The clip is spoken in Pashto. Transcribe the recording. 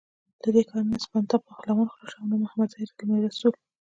له دې کار نه سپنتا پهلوان خلاص شو او نه محمدزی زلمی رسول.